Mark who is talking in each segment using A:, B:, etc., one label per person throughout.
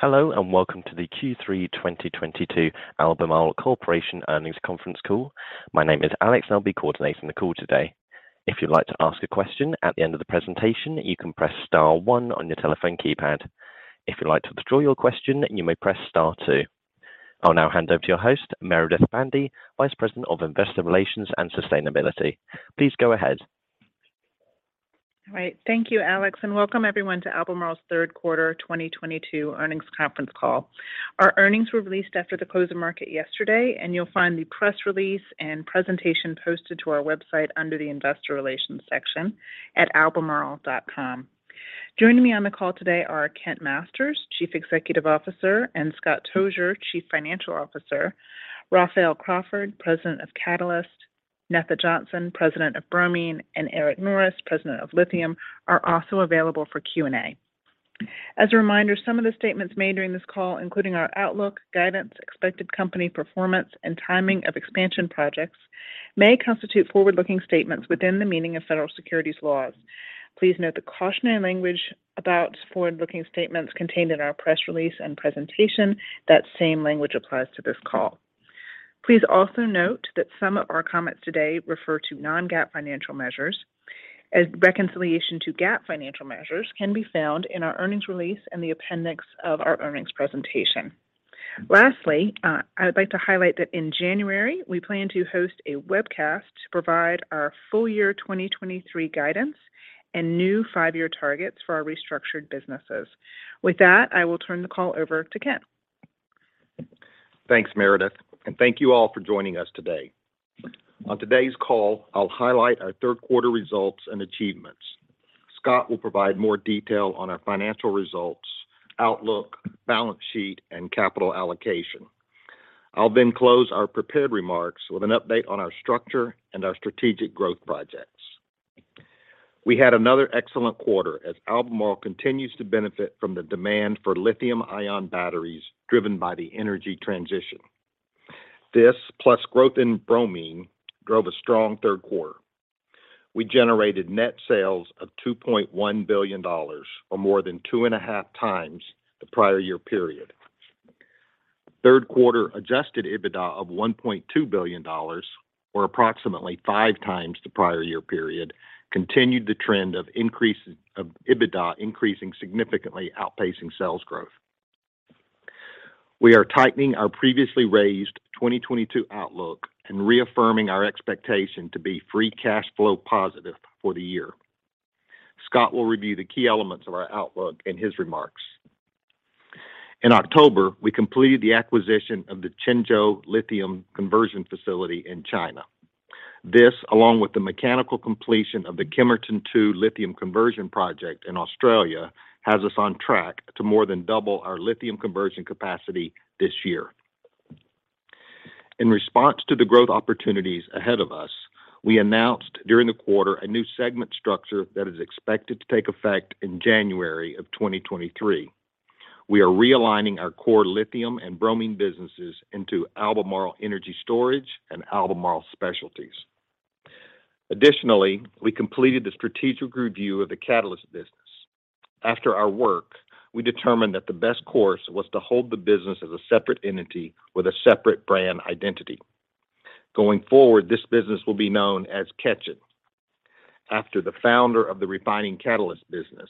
A: Hello and welcome to the Q3 2022 Albemarle Corporation Earnings Conference Call. My name is Alex, and I'll be coordinating the call today. If you'd like to ask a question at the end of the presentation, you can press star one on your telephone keypad. If you'd like to withdraw your question, you may press star two. I'll now hand over to your host, Meredith Bandy, Vice President of Investor Relations and Sustainability. Please go ahead.
B: All right. Thank you, Alex, and welcome everyone to Albemarle's third quarter 2022 earnings conference call. Our earnings were released after the close of market yesterday, and you'll find the press release and presentation posted to our website under the Investor Relations section at albemarle.com. Joining me on the call today are Kent Masters, Chief Executive Officer, and Scott Tozier, Chief Financial Officer. Raphael Crawford, President of Catalysts, Netha Johnson, President of Bromine, and Eric Norris, President of Lithium, are also available for Q&A. As a reminder, some of the statements made during this call, including our outlook, guidance, expected company performance, and timing of expansion projects, may constitute forward-looking statements within the meaning of federal securities laws. Please note the cautionary language about forward-looking statements contained in our press release and presentation. That same language applies to this call. Please also note that some of our comments today refer to non-GAAP financial measures, as reconciliation to GAAP financial measures can be found in our earnings release in the appendix of our earnings presentation. Lastly, I would like to highlight that in January, we plan to host a webcast to provide our full year 2023 guidance and new five-year targets for our restructured businesses. With that, I will turn the call over to Kent.
C: Thanks, Meredith, and thank you all for joining us today. On today's call, I'll highlight our third quarter results and achievements. Scott will provide more detail on our financial results, outlook, balance sheet, and capital allocation. I'll then close our prepared remarks with an update on our structure and our strategic growth projects. We had another excellent quarter as Albemarle continues to benefit from the demand for lithium-ion batteries driven by the energy transition. This, plus growth in bromine, drove a strong third quarter. We generated net sales of $2.1 billion, or more than 2.5 times the prior year period. Third quarter Adjusted EBITDA of $1.2 billion, or approximately five times the prior year period, continued the trend of EBITDA increasing significantly, outpacing sales growth. We are tightening our previously raised 2022 outlook and reaffirming our expectation to be free cash flow positive for the year. Scott will review the key elements of our outlook in his remarks. In October, we completed the acquisition of the Qinzhou lithium conversion facility in China. This, along with the mechanical completion of the Kemerton 2 lithium conversion project in Australia, has us on track to more than double our lithium conversion capacity this year. In response to the growth opportunities ahead of us, we announced during the quarter a new segment structure that is expected to take effect in January of 2023. We are realigning our core lithium and bromine businesses into Albemarle Energy Storage and Albemarle Specialties. Additionally, we completed the strategic review of the catalyst business. After our work, we determined that the best course was to hold the business as a separate entity with a separate brand identity. Going forward, this business will be known as Ketjen after the founder of the refining catalyst business,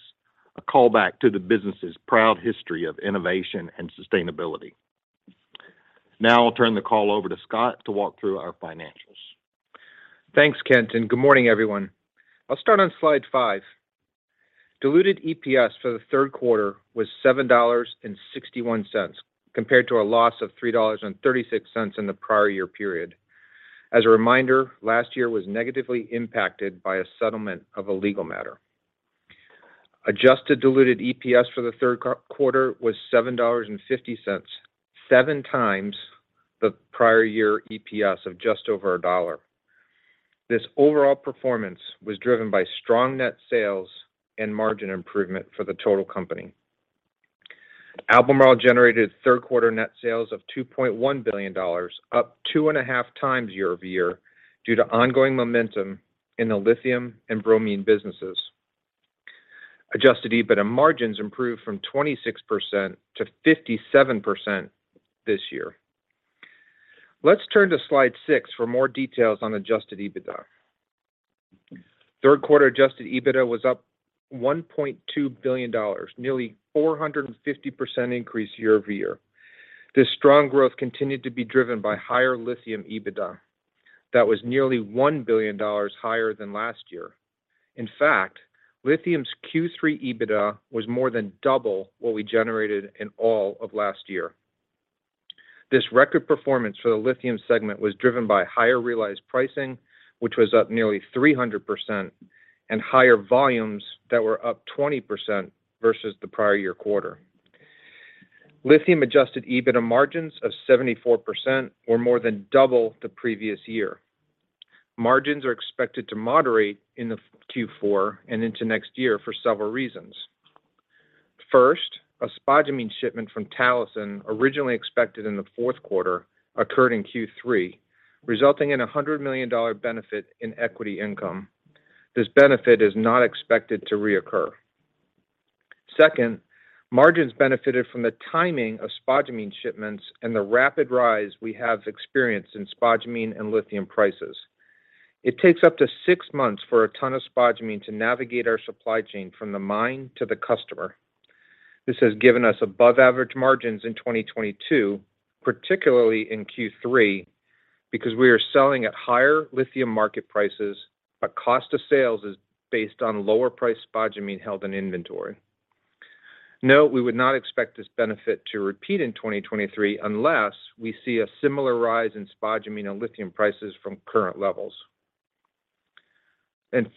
C: a callback to the business's proud history of innovation and sustainability. Now I'll turn the call over to Scott to walk through our financials.
D: Thanks, Kent, and good morning, everyone. I'll start on slide 5. Diluted EPS for the third quarter was $7.61, compared to a loss of $3.36 in the prior year period. As a reminder, last year was negatively impacted by a settlement of a legal matter. Adjusted Diluted EPS for the third quarter was $7.50, 7x the prior year EPS of just over a dollar. This overall performance was driven by strong net sales and margin improvement for the total company. Albemarle generated third quarter net sales of $2.1 billion, up 2.5x year-over-year due to ongoing momentum in the lithium and bromine businesses. Adjusted EBITDA margins improved from 26% to 57% this year. Let's turn to slide 6 for more details on Adjusted EBITDA. Third quarter Adjusted EBITDA was up $1.2 billion, nearly 450% increase year-over-year. This strong growth continued to be driven by higher lithium EBITDA that was nearly $1 billion higher than last year. In fact, lithium's Q3 EBITDA was more than double what we generated in all of last year. This record performance for the lithium segment was driven by higher realized pricing, which was up nearly 300% and higher volumes that were up 20% versus the prior year quarter. Lithium Adjusted EBITDA margins of 74% were more than double the previous year. Margins are expected to moderate in the Q4 and into next year for several reasons. First, a spodumene shipment from Talison, originally expected in the fourth quarter, occurred in Q3, resulting in a $100 million benefit in equity income. This benefit is not expected to reoccur. Second, margins benefited from the timing of spodumene shipments and the rapid rise we have experienced in spodumene and lithium prices. It takes up to six months for a ton of spodumene to navigate our supply chain from the mine to the customer. This has given us above average margins in 2022, particularly in Q3, because we are selling at higher lithium market prices, but cost of sales is based on lower price spodumene held in inventory. Note, we would not expect this benefit to repeat in 2023 unless we see a similar rise in spodumene and lithium prices from current levels.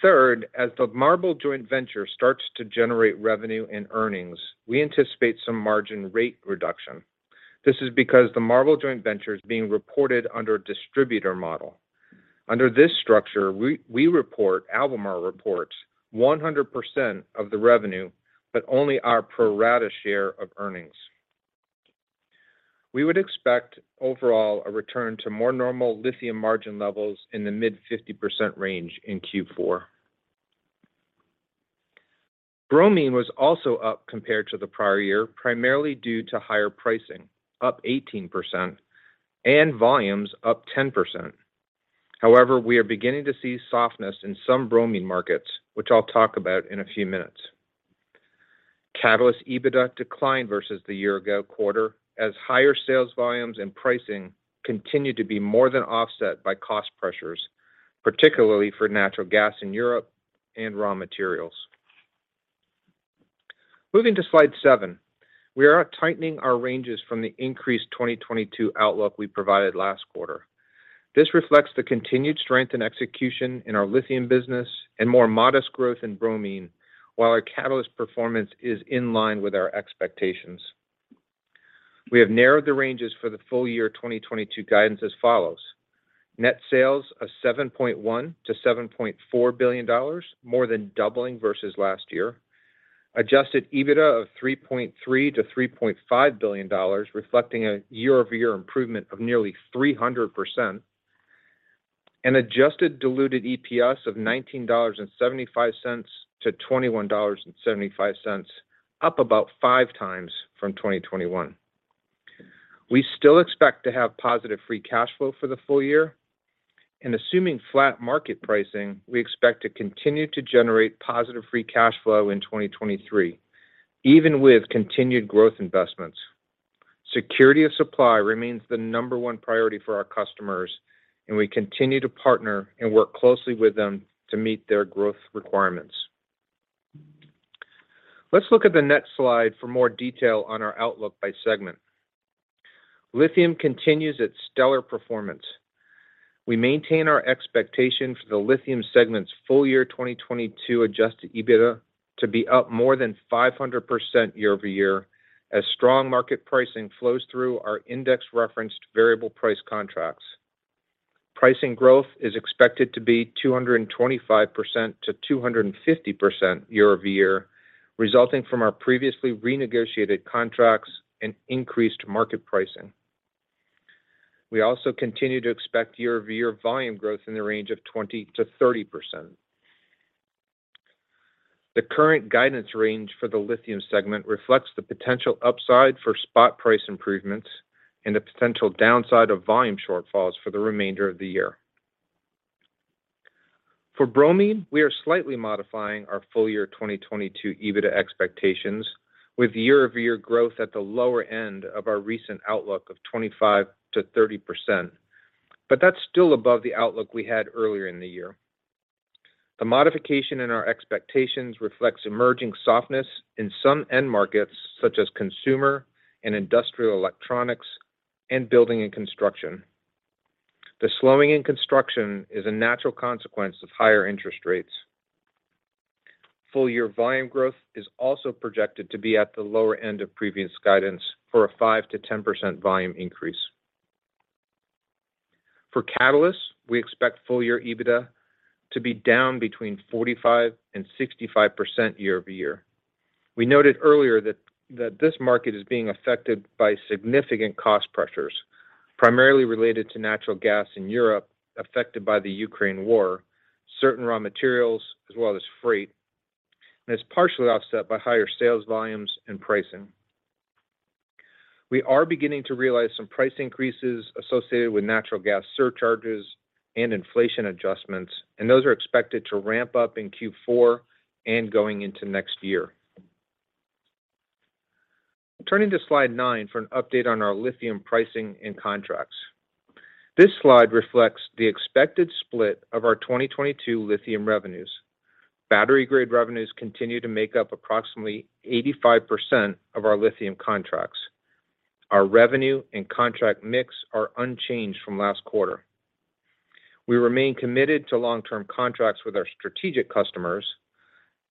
D: Third, as the MARBL joint venture starts to generate revenue and earnings, we anticipate some margin rate reduction. This is because the MARBL joint venture is being reported under a distributor model. Under this structure, we report, Albemarle reports 100% of the revenue, but only our pro rata share of earnings. We would expect overall a return to more normal lithium margin levels in the mid-50% range in Q4. Bromine was also up compared to the prior year, primarily due to higher pricing, up 18% and volumes up 10%. However, we are beginning to see softness in some bromine markets, which I'll talk about in a few minutes. Catalyst EBITDA declined versus the year ago quarter as higher sales volumes and pricing continued to be more than offset by cost pressures, particularly for natural gas in Europe and raw materials. Moving to slide 7, we are tightening our ranges from the increased 2022 outlook we provided last quarter. This reflects the continued strength in execution in our lithium business and more modest growth in bromine, while our catalyst performance is in line with our expectations. We have narrowed the ranges for the full-year 2022 guidance as follows. Net sales of $7.1 billion-$7.4 billion, more than doubling versus last year. Adjusted EBITDA of $3.3 billion-$3.5 billion, reflecting a year-over-year improvement of nearly 300%. An Adjusted Diluted EPS of $19.75-$21.75, up about 5x from 2021. We still expect to have positive free cash flow for the full year. Assuming flat market pricing, we expect to continue to generate positive free cash flow in 2023, even with continued growth investments. Security of supply remains the number one priority for our customers, and we continue to partner and work closely with them to meet their growth requirements. Let's look at the next slide for more detail on our outlook by segment. Lithium continues its stellar performance. We maintain our expectation for the lithium segment's full year 2022 Adjusted EBITDA to be up more than 500% year-over-year as strong market pricing flows through our index-referenced variable price contracts. Pricing growth is expected to be 225%-250% year-over-year, resulting from our previously renegotiated contracts and increased market pricing. We also continue to expect year-over-year volume growth in the range of 20%-30%. The current guidance range for the lithium segment reflects the potential upside for spot price improvements and the potential downside of volume shortfalls for the remainder of the year. For bromine, we are slightly modifying our full year 2022 EBITDA expectations with year-over-year growth at the lower end of our recent outlook of 25%-30%. That's still above the outlook we had earlier in the year. The modification in our expectations reflects emerging softness in some end markets, such as consumer and industrial electronics and building and construction. The slowing in construction is a natural consequence of higher interest rates. Full year volume growth is also projected to be at the lower end of previous guidance for a 5%-10% volume increase. For catalysts, we expect full year EBITDA to be down between 45% and 65% year-over-year. We noted earlier that this market is being affected by significant cost pressures, primarily related to natural gas in Europe affected by the Ukraine war, certain raw materials, as well as freight, and is partially offset by higher sales volumes and pricing. We are beginning to realize some price increases associated with natural gas surcharges and inflation adjustments, and those are expected to ramp up in Q4 and going into next year. Turning to slide 9 for an update on our lithium pricing and contracts. This slide reflects the expected split of our 2022 lithium revenues. Battery-grade revenues continue to make up approximately 85% of our lithium contracts. Our revenue and contract mix are unchanged from last quarter. We remain committed to long-term contracts with our strategic customers,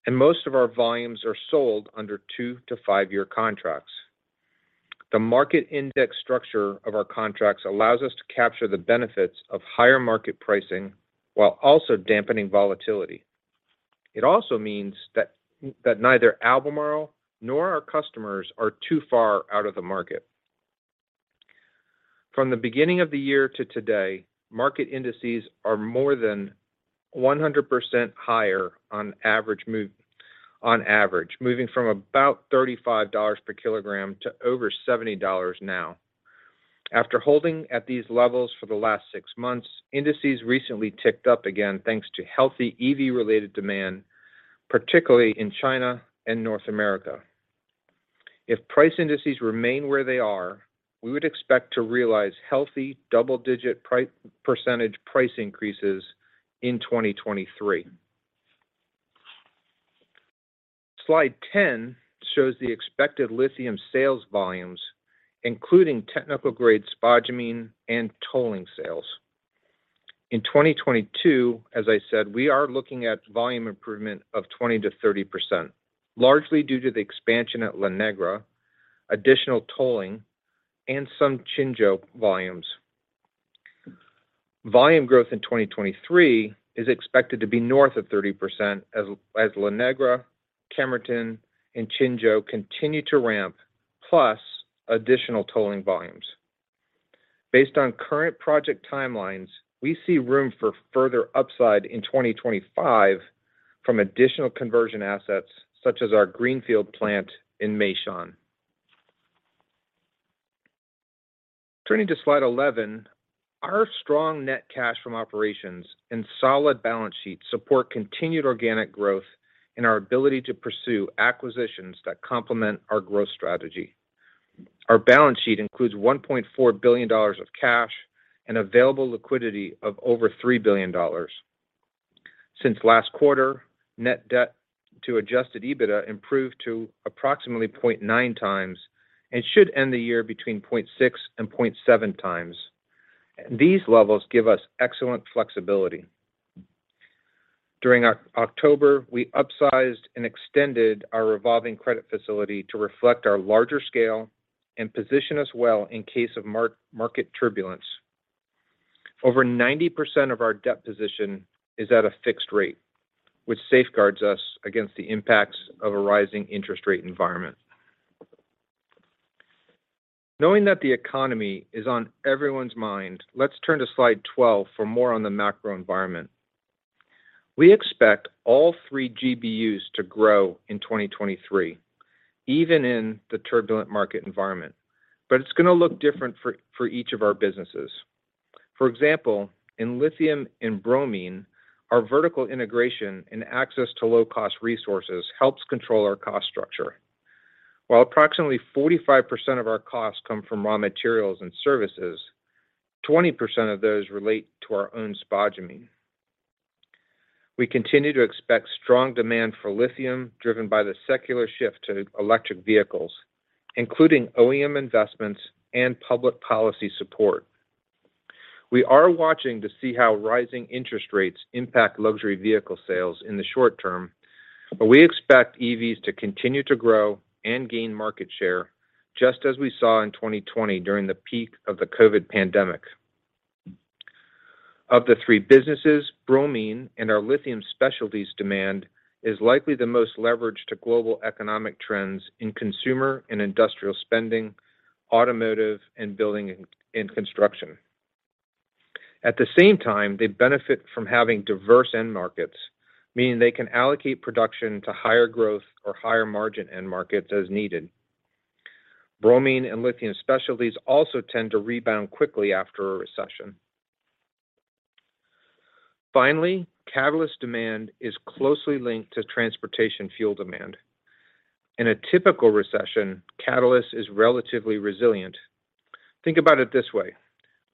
D: and most of our volumes are sold under two to five-year contracts. The market index structure of our contracts allows us to capture the benefits of higher market pricing while also dampening volatility. It also means that neither Albemarle nor our customers are too far out of the market. From the beginning of the year to today, market indices are more than 100% higher on average, moving from about $35 per kilogram to over $70 now. After holding at these levels for the last six months, indices recently ticked up again, thanks to healthy EV-related demand, particularly in China and North America. If price indices remain where they are, we would expect to realize healthy double-digit percentage price increases in 2023. Slide 10 shows the expected lithium sales volumes, including technical grade spodumene and tolling sales. In 2022, as I said, we are looking at volume improvement of 20%-30%, largely due to the expansion at La Negra, additional tolling, and some Qinzhou volumes. Volume growth in 2023 is expected to be north of 30% as La Negra, Kemerton, and Qinzhou continue to ramp, plus additional tolling volumes. Based on current project timelines, we see room for further upside in 2025 from additional conversion assets such as our greenfield plant in Meishan. Turning to Slide 11, our strong net cash from operations and solid balance sheet support continued organic growth and our ability to pursue acquisitions that complement our growth strategy. Our balance sheet includes $1.4 billion of cash and available liquidity of over $3 billion. Since last quarter, net debt to Adjusted EBITDA improved to approximately 0.9x and should end the year between 0.6x-0.7x. These levels give us excellent flexibility. During October, we upsized and extended our revolving credit facility to reflect our larger scale and position us well in case of market turbulence. Over 90% of our debt position is at a fixed rate, which safeguards us against the impacts of a rising interest rate environment. Knowing that the economy is on everyone's mind, let's turn to slide 12 for more on the macro environment. We expect all three GBUs to grow in 2023, even in the turbulent market environment, but it's gonna look different for each of our businesses. For example, in lithium and bromine, our vertical integration and access to low-cost resources helps control our cost structure. While approximately 45% of our costs come from raw materials and services, 20% of those relate to our own spodumene. We continue to expect strong demand for lithium driven by the secular shift to electric vehicles, including OEM investments and public policy support. We are watching to see how rising interest rates impact luxury vehicle sales in the short term, but we expect EVs to continue to grow and gain market share, just as we saw in 2020 during the peak of the COVID pandemic. Of the three businesses, bromine and our lithium specialties demand is likely the most leveraged to global economic trends in consumer and industrial spending, automotive, and building and construction. At the same time, they benefit from having diverse end markets, meaning they can allocate production to higher growth or higher margin end markets as needed. Bromine and lithium specialties also tend to rebound quickly after a recession. Finally, catalyst demand is closely linked to transportation fuel demand. In a typical recession, catalyst is relatively resilient. Think about it this way: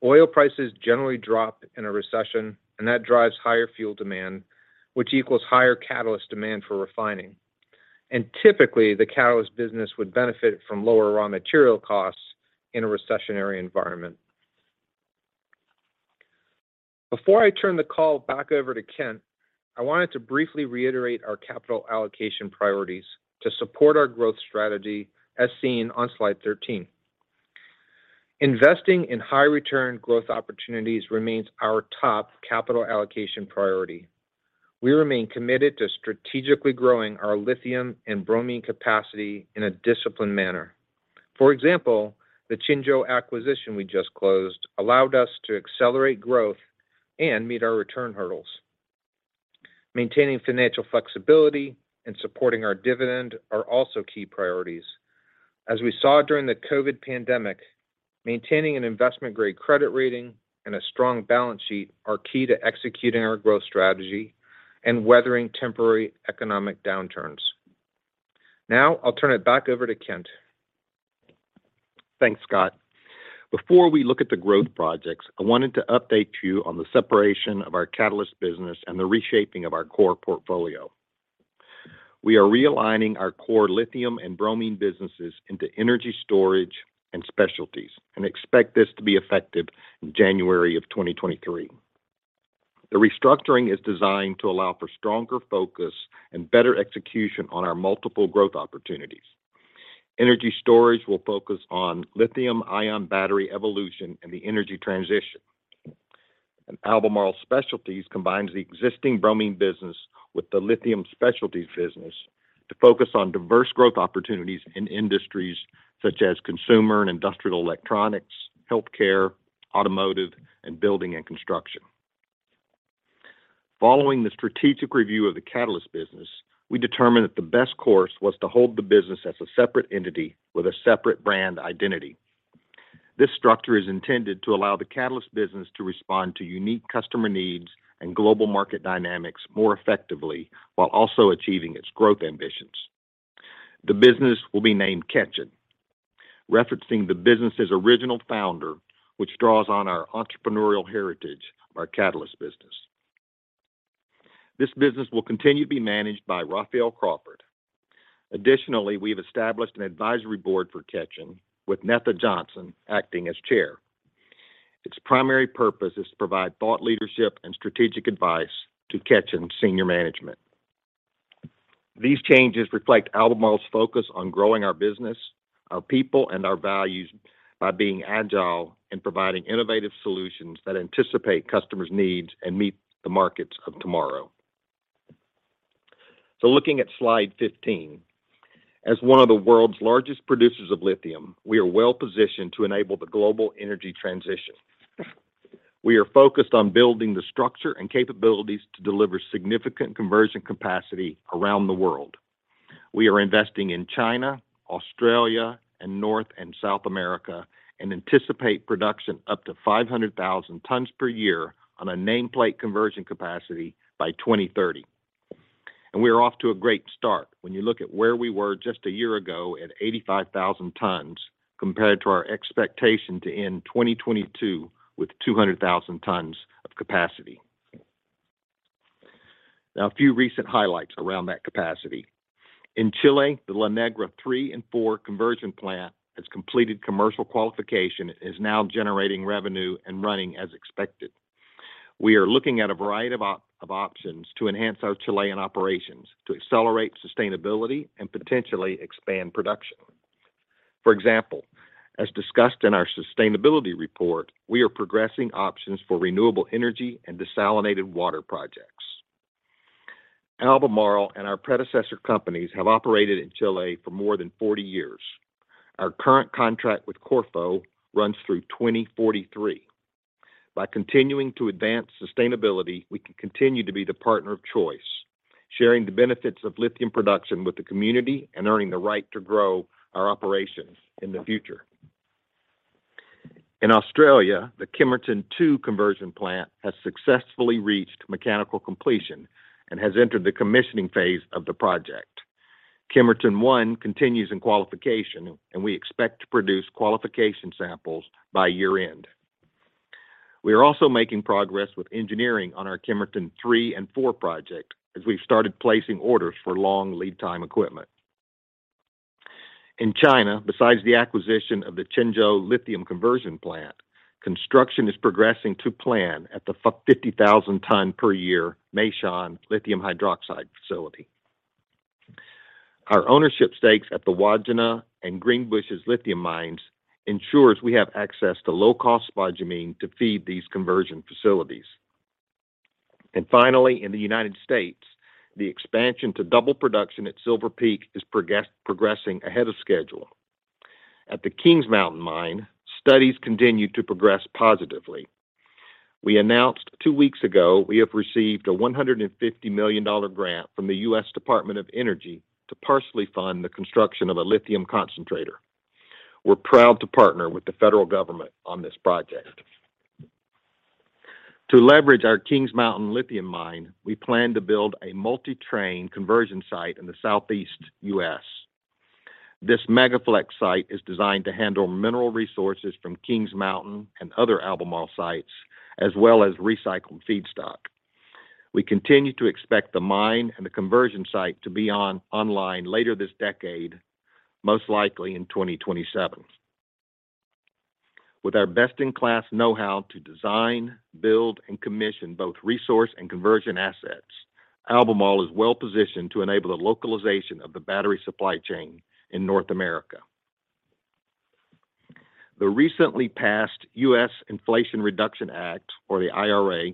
D: oil prices generally drop in a recession, and that drives higher fuel demand, which equals higher catalyst demand for refining. Typically, the catalyst business would benefit from lower raw material costs in a recessionary environment. Before I turn the call back over to Kent, I wanted to briefly reiterate our capital allocation priorities to support our growth strategy as seen on slide 13. Investing in high return growth opportunities remains our top capital allocation priority. We remain committed to strategically growing our lithium and bromine capacity in a disciplined manner. For example, the Qinzhou acquisition we just closed allowed us to accelerate growth and meet our return hurdles. Maintaining financial flexibility and supporting our dividend are also key priorities. As we saw during the COVID pandemic, maintaining an investment-grade credit rating and a strong balance sheet are key to executing our growth strategy and weathering temporary economic downturns. Now I'll turn it back over to Kent.
C: Thanks, Scott. Before we look at the growth projects, I wanted to update you on the separation of our catalyst business and the reshaping of our core portfolio. We are realigning our core lithium and bromine businesses into Energy Storage and Specialties and expect this to be effective in January 2023. The restructuring is designed to allow for stronger focus and better execution on our multiple growth opportunities. Energy Storage will focus on lithium-ion battery evolution and the energy transition. Albemarle Specialties combines the existing bromine business with the lithium specialties business to focus on diverse growth opportunities in industries such as consumer and industrial electronics, healthcare, automotive, and building and construction. Following the strategic review of the catalyst business, we determined that the best course was to hold the business as a separate entity with a separate brand identity. This structure is intended to allow the catalyst business to respond to unique customer needs and global market dynamics more effectively while also achieving its growth ambitions. The business will be named Ketjen, referencing the business's original founder, which draws on our entrepreneurial heritage of our catalyst business. This business will continue to be managed by Raphael Crawford. Additionally, we have established an advisory board for Ketjen, with Netha Johnson acting as chair. Its primary purpose is to provide thought leadership and strategic advice to Ketjen senior management. These changes reflect Albemarle's focus on growing our business, our people, and our values by being agile and providing innovative solutions that anticipate customers' needs and meet the markets of tomorrow. Looking at slide 15, as one of the world's largest producers of lithium, we are well-positioned to enable the global energy transition. We are focused on building the structure and capabilities to deliver significant conversion capacity around the world. We are investing in China, Australia, and North and South America, and anticipate production up to 500,000 tons per year on a nameplate conversion capacity by 2030. We are off to a great start when you look at where we were just a year ago at 85,000 tons compared to our expectation to end 2022 with 200,000 tons of capacity. Now a few recent highlights around that capacity. In Chile, the La Negra III/IV conversion plant has completed commercial qualification and is now generating revenue and running as expected. We are looking at a variety of options to enhance our Chilean operations to accelerate sustainability and potentially expand production. For example, as discussed in our sustainability report, we are progressing options for renewable energy and desalinated water projects. Albemarle and our predecessor companies have operated in Chile for more than 40 years. Our current contract with Corfo runs through 2043. By continuing to advance sustainability, we can continue to be the partner of choice, sharing the benefits of lithium production with the community and earning the right to grow our operations in the future. In Australia, the Kemerton 2 conversion plant has successfully reached mechanical completion and has entered the commissioning phase of the project. Kemerton 1 continues in qualification, and we expect to produce qualification samples by year-end. We are also making progress with engineering on our Kemerton 3 and 4 project as we've started placing orders for long lead time equipment. In China, besides the acquisition of the Qinzhou lithium conversion plant, construction is progressing to plan at the 50,000-ton per year Meishan lithium hydroxide facility. Our ownership stakes at the Wodgina and Greenbushes lithium mines ensures we have access to low-cost spodumene to feed these conversion facilities. Finally, in the United States, the expansion to double production at Silver Peak is progressing ahead of schedule. At the Kings Mountain mine, studies continue to progress positively. We announced two weeks ago we have received a $150 million grant from the U.S. Department of Energy to partially fund the construction of a lithium concentrator. We're proud to partner with the federal government on this project. To leverage our Kings Mountain lithium mine, we plan to build a multi-train conversion site in the southeast U.S. This Mega-Flex site is designed to handle mineral resources from Kings Mountain and other Albemarle sites, as well as recycled feedstock. We continue to expect the mine and the conversion site to be online later this decade, most likely in 2027. With our best-in-class know-how to design, build, and commission both resource and conversion assets, Albemarle is well-positioned to enable the localization of the battery supply chain in North America. The recently passed U.S. Inflation Reduction Act, or the IRA,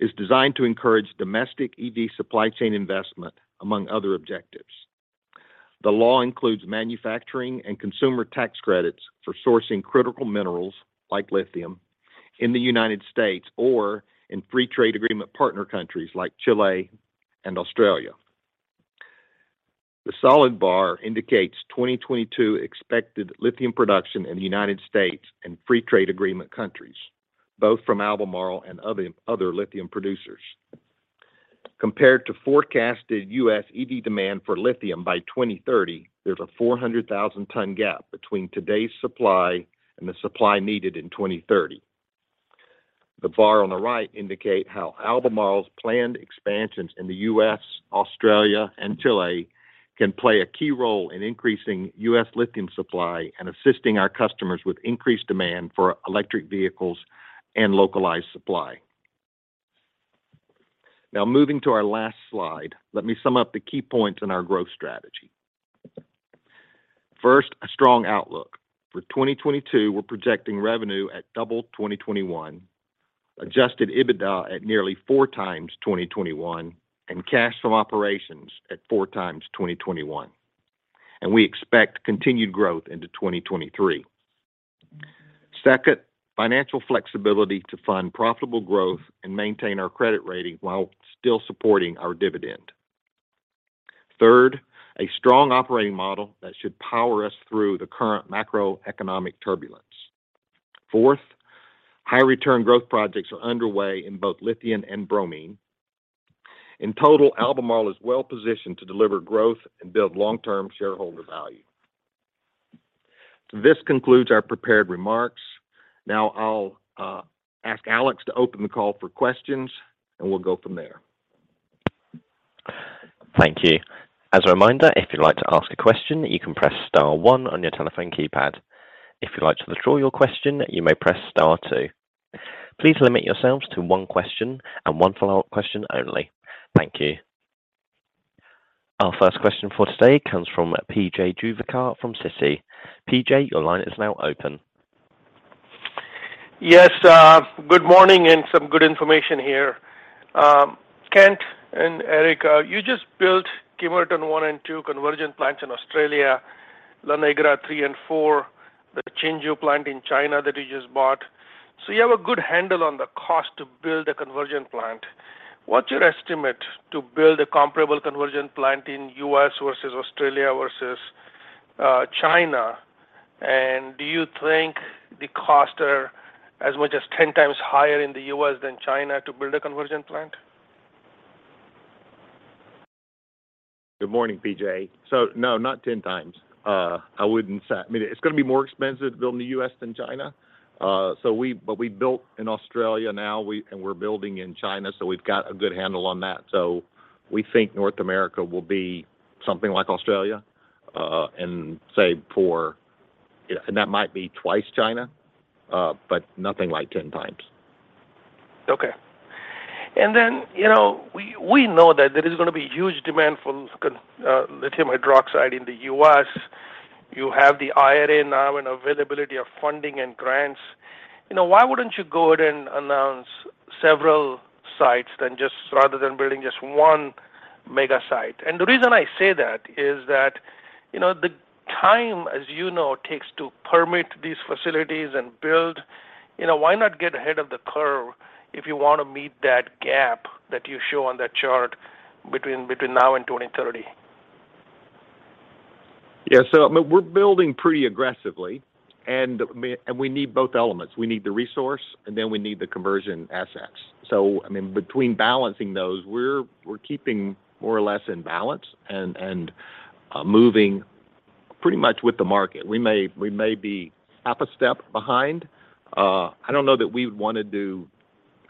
C: is designed to encourage domestic EV supply chain investment, among other objectives. The law includes manufacturing and consumer tax credits for sourcing critical minerals like lithium in the United States or in free trade agreement partner countries like Chile and Australia. The solid bar indicates 2022 expected lithium production in the United States and free trade agreement countries, both from Albemarle and other lithium producers. Compared to forecasted U.S. EV demand for lithium by 2030, there's a 400,000-ton gap between today's supply and the supply needed in 2030. The bar on the right indicate how Albemarle's planned expansions in the U.S., Australia, and Chile can play a key role in increasing U.S. lithium supply and assisting our customers with increased demand for electric vehicles and localized supply. Now moving to our last slide, let me sum up the key points in our growth strategy. First, a strong outlook. For 2022, we're projecting revenue at double 2021, Adjusted EBITDA at nearly four times 2021, and cash from operations at four times 2021. We expect continued growth into 2023. Second, financial flexibility to fund profitable growth and maintain our credit rating while still supporting our dividend. Third, a strong operating model that should power us through the current macroeconomic turbulence. Fourth, high return growth projects are underway in both lithium and bromine. In total, Albemarle is well-positioned to deliver growth and build long-term shareholder value. This concludes our prepared remarks. Now I'll ask Alex to open the call for questions, and we'll go from there.
A: Thank you. As a reminder, if you'd like to ask a question, you can press star one on your telephone keypad. If you'd like to withdraw your question, you may press star two. Please limit yourselves to one question and one follow-up question only. Thank you. Our first question for today comes from PJ Juvekar from Citi. PJ, your line is now open.
E: Yes. Good morning and some good information here. Kent and Eric, you just built Kemerton 1 and 2 conversion plants in Australia, La Negra III/IV, the Qinzhou plant in China that you just bought. You have a good handle on the cost to build a conversion plant. What's your estimate to build a comparable conversion plant in U.S. versus Australia versus China? Do you think the costs are as much as 10 times higher in the U.S. than China to build a conversion plant?
C: Good morning, PJ. No, not 10 times. I wouldn't say. I mean, it's gonna be more expensive to build in the U.S. than China. But we built in Australia now, and we're building in China, so we've got a good handle on that. We think North America will be something like Australia, and that might be twice China, but nothing like 10 times.
E: Okay. You know, we know that there is gonna be huge demand for lithium hydroxide in the U.S. You have the IRA now and availability of funding and grants. You know, why wouldn't you go ahead and announce several sites than just rather than building just one mega site? The reason I say that is that, you know, the time, as you know, it takes to permit these facilities and build, you know, why not get ahead of the curve if you wanna meet that gap that you show on that chart between now and 2030?
C: Yeah. I mean, we're building pretty aggressively and I mean we need both elements. We need the resource, and then we need the conversion assets. I mean, between balancing those, we're keeping more or less in balance and moving pretty much with the market. We may be half a step behind. I don't know that we would wanna do,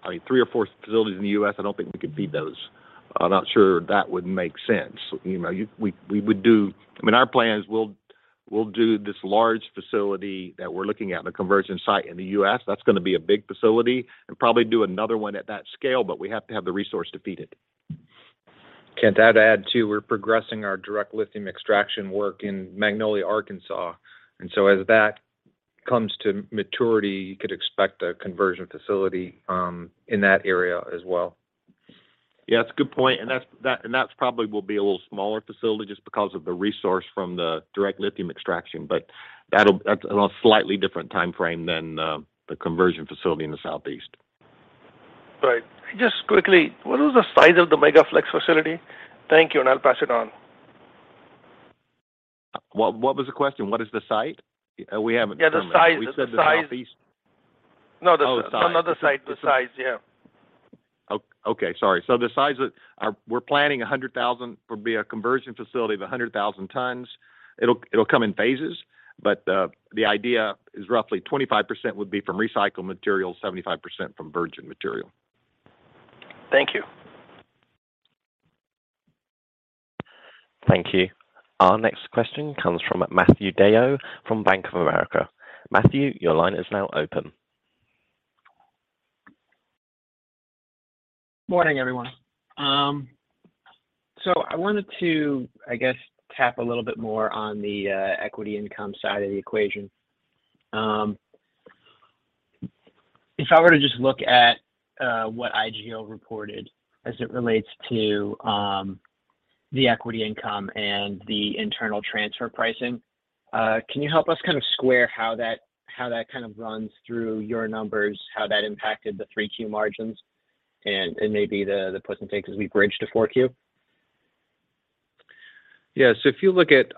C: I mean, three or four facilities in the U.S. I don't think we could feed those. I'm not sure that would make sense. You know, I mean, our plan is we'll do this large facility that we're looking at, the conversion site in the U.S. That's gonna be a big facility, and probably do another one at that scale, but we have to have the resource to feed it.
D: Kent, to add to, we're progressing our direct lithium extraction work in Magnolia, Arkansas, and so as that comes to maturity, you could expect a conversion facility in that area as well.
C: Yeah, that's a good point. That's probably will be a little smaller facility just because of the resource from the direct lithium extraction, but that'll on a slightly different timeframe than the conversion facility in the southeast.
E: Right. Just quickly, what is the size of the Mega-Flex facility? Thank you, and I'll pass it on.
C: What was the question? What is the size? We haven't determined.
E: Yeah, the size.
C: We said the Southeast.
E: No.
C: Oh, the size.
E: No, no, the size. The size. Yeah.
C: Oh, okay. Sorry. We're planning 100,000. It would be a conversion facility of 100,000 tons. It'll come in phases, but the idea is roughly 25% would be from recycled material, 75% from virgin material.
E: Thank you.
A: Thank you. Our next question comes from Matthew DeYoe from Bank of America. Matthew, your line is now open.
F: Morning, everyone. I wanted to, I guess, tap a little bit more on the equity income side of the equation. If I were to just look at what IGO reported as it relates to the equity income and the internal transfer pricing, can you help us kind of square how that kind of runs through your numbers, how that impacted the 3Q margins and maybe the gives and takes as we bridge to 4Q?
D: If you look at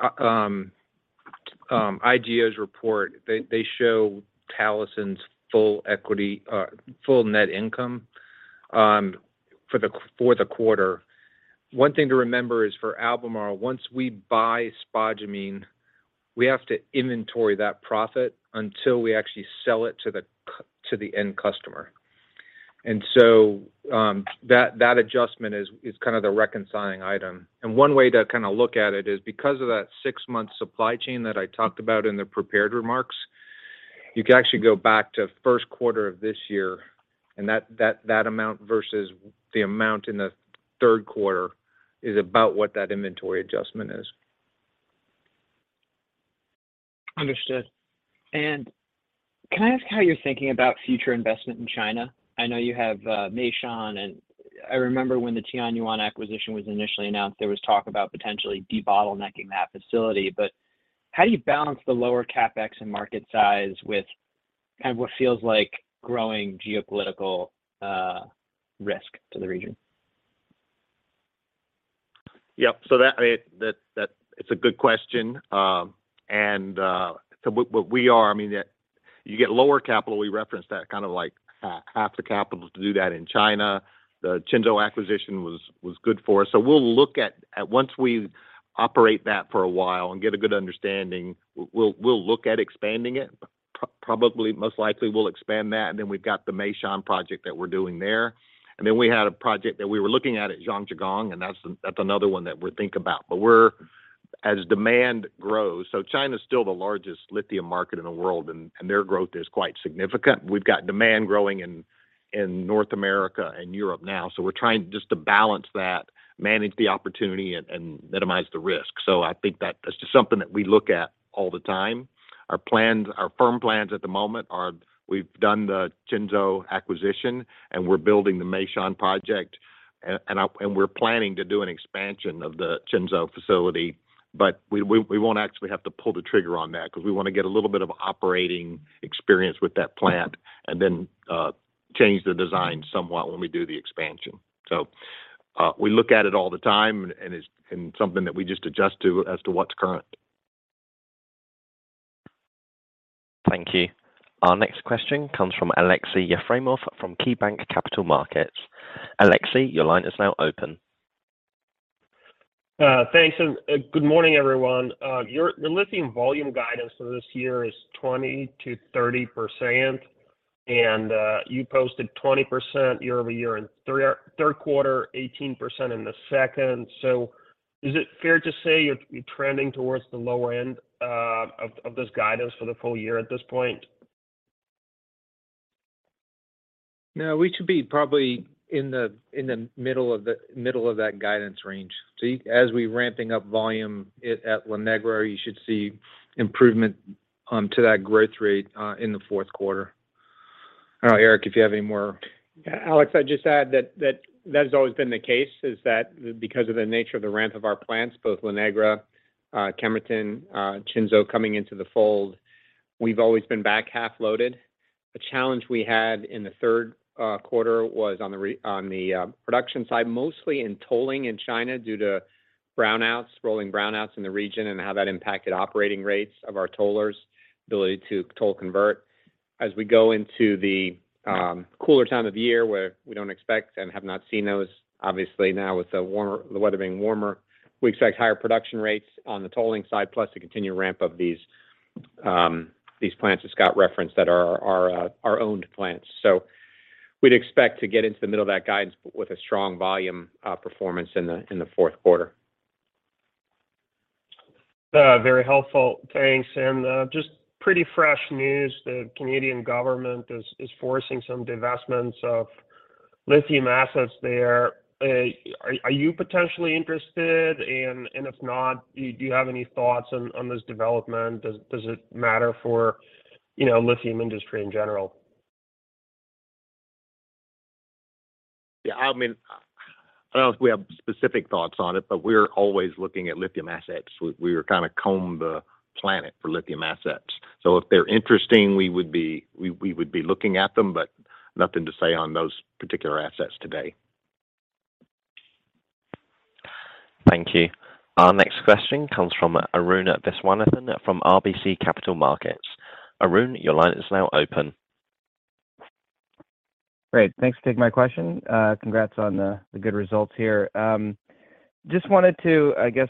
D: IGO's report, they show Talison's full net income for the quarter. One thing to remember is for Albemarle, once we buy spodumene, we have to inventory that profit until we actually sell it to the end customer. That adjustment is kind of the reconciling item. One way to kinda look at it is because of that six-month supply chain that I talked about in the prepared remarks.
C: You can actually go back to first quarter of this year and that amount versus the amount in the third quarter is about what that inventory adjustment is.
F: Understood. Can I ask how you're thinking about future investment in China? I know you have Meishan and I remember when the Tianyuan acquisition was initially announced, there was talk about potentially debottlenecking that facility. How do you balance the lower CapEx and market size with kind of what feels like growing geopolitical risk to the region?
C: Yep, it's a good question. You get lower capital. We referenced that kind of like half the capital to do that in China. The Qinzhou acquisition was good for us. We'll look at once we operate that for a while and get a good understanding, we'll look at expanding it. Probably most likely we'll expand that. Then we've got the Meishan project that we're doing there. Then we had a project that we were looking at at Zhangjiagang, and that's another one that we're thinking about. As demand grows, China is still the largest lithium market in the world, and their growth is quite significant. We've got demand growing in North America and Europe now. We're trying just to balance that, manage the opportunity and minimize the risk. I think that this is something that we look at all the time. Our plans, our firm plans at the moment are we've done the Qinzhou acquisition, and we're building the Meishan project. We're planning to do an expansion of the Qinzhou facility, but we won't actually have to pull the trigger on that 'cause we wanna get a little bit of operating experience with that plant and then change the design somewhat when we do the expansion. We look at it all the time and it's something that we just adjust to as to what's current.
A: Thank you. Our next question comes from Aleksey Yefremov from KeyBanc Capital Markets. Aleksey, your line is now open.
G: Thanks, and good morning, everyone. Your lithium volume guidance for this year is 20%-30%, and you posted 20% year-over-year in third quarter, 18% in the second. Is it fair to say you're trending towards the lower end of this guidance for the full year at this point?
C: No, we should be probably in the middle of that guidance range. See, as we're ramping up volume at La Negra, you should see improvement to that growth rate in the fourth quarter. I don't know, Eric, if you have any more.
H: Alex, I'd just add that that has always been the case, is that because of the nature of the ramp of our plants, both La Negra, Kemerton, Qinzhou coming into the fold, we've always been back half loaded. The challenge we had in the third quarter was on the production side, mostly in tolling in China due to brownouts, rolling brownouts in the region and how that impacted operating rates of our tollers' ability to toll convert. As we go into the cooler time of the year, where we don't expect and have not seen those, obviously now with the weather being warmer, we expect higher production rates on the tolling side, plus the continued ramp of these plants that Scott referenced that are our owned plants. We'd expect to get into the middle of that guidance with a strong volume performance in the fourth quarter.
G: Very helpful. Thanks. Just pretty fresh news. The Canadian government is forcing some divestments of lithium assets there. Are you potentially interested? If not, do you have any thoughts on this development? Does it matter for, you know, lithium industry in general?
C: Yeah, I mean, I don't know if we have specific thoughts on it, but we're always looking at lithium assets. We kind of comb the planet for lithium assets. If they're interesting, we would be looking at them, but nothing to say on those particular assets today.
A: Thank you. Our next question comes from Arun Viswanathan from RBC Capital Markets. Arun, your line is now open.
I: Great. Thanks for taking my question. Congrats on the good results here. Just wanted to, I guess,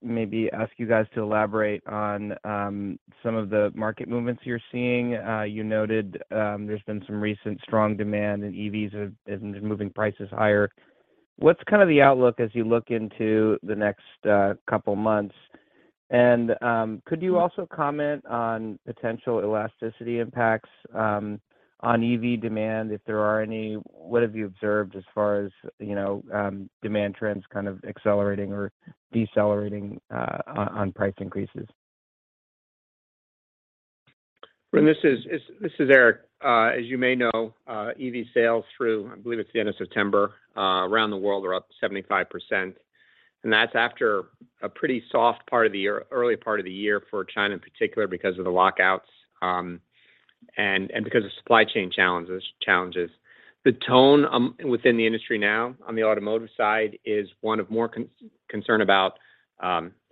I: maybe ask you guys to elaborate on some of the market movements you're seeing. You noted there's been some recent strong demand in EVs as moving prices higher. What's kind of the outlook as you look into the next couple of months? Could you also comment on potential elasticity impacts on EV demand, if there are any? What have you observed as far as you know demand trends kind of accelerating or decelerating on price increases?
H: Arun, this is Eric. As you may know, EV sales through, I believe it's the end of September, around the world are up 75%. That's after a pretty soft part of the year, early part of the year for China in particular because of the lockdowns and because of supply chain challenges. The tone within the industry now on the automotive side is one of more concern about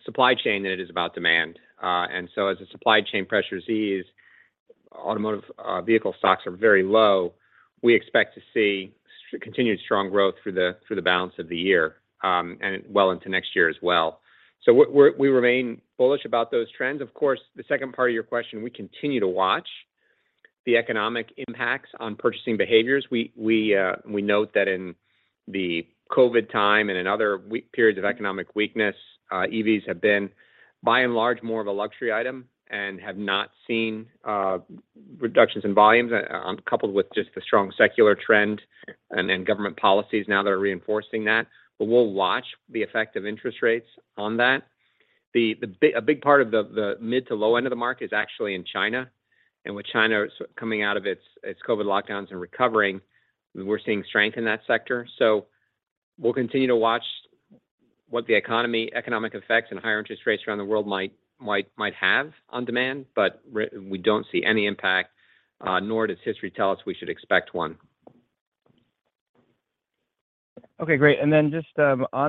H: supply chain than it is about demand. As the supply chain pressures ease, automotive vehicle stocks are very low. We expect to see continued strong growth through the balance of the year and well into next year as well. We remain bullish about those trends. Of course, the second part of your question, we continue to watch the economic impacts on purchasing behaviors. We note that in the COVID time and in other weak periods of economic weakness, EVs have been, by and large, more of a luxury item and have not seen reductions in volumes, coupled with just the strong secular trend and then government policies now that are reinforcing that. We'll watch the effect of interest rates on that. A big part of the mid to low end of the market is actually in China. With China sort of coming out of its COVID lockdowns and recovering, we're seeing strength in that sector. We'll continue to watch what the economic effects and higher interest rates around the world might have on demand. We don't see any impact, nor does history tell us we should expect one.
I: Okay, great. On